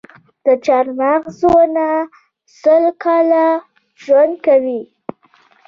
د چهارمغز ونه سل کاله ژوند کوي؟